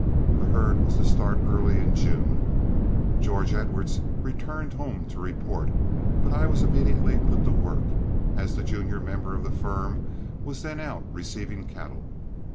The herd was to start early in June. George Edwards returned home to report, but I was immediately put to work, as the junior member of the firm was then out receiving cattle.